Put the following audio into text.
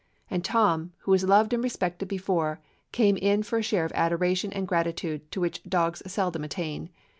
And Tom, who was loved and respected be fore, came in for a share of adoration and gratitude to which dogs seldom attain.